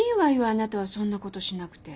あなたはそんなことしなくて